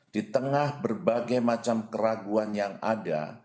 di tengah berbagai macam keraguan yang ada